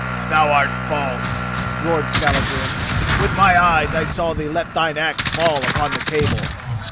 "Thou art false!" roared Skallagrim. "With my eyes I saw thee let thine axe fall upon the cable.